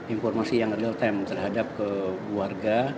informasi yang real time terhadap ke warga